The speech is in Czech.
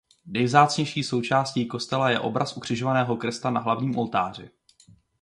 Nejvzácnější součástí kostela je obraz ukřižovaného Krista na hlavním oltáři.